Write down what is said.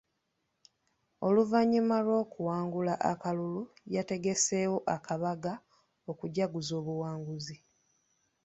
Oluvannyuma lw'okuwangula akalulu yategeseewo akabaga okujaguza obuwanguzi.